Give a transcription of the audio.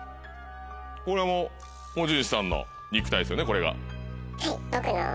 これも持ち主さんの肉体ですよねこれが。